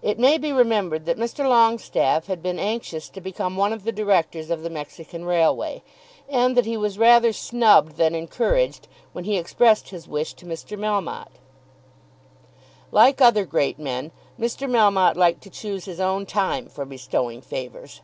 It may be remembered that Mr. Longestaffe had been anxious to become one of the directors of the Mexican Railway, and that he was rather snubbed than encouraged when he expressed his wish to Mr. Melmotte. Like other great men, Mr. Melmotte liked to choose his own time for bestowing favours.